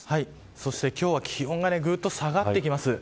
そして今日は気温がぐっと下がってきます。